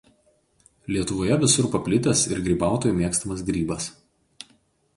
Lietuvoje visur paplitęs ir grybautojų mėgstamas grybas.